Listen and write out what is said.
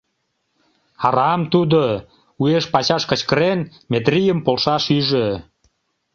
Арам тудо, уэш-пачаш кычкырен, Метрийым полшаш ӱжӧ.